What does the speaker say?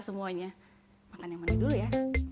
semuanya makan yang menu dulu ya